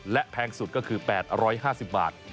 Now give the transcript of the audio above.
และแพงสุดก็คือ๘๕๐บาท